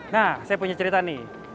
nah saya punya cerita nih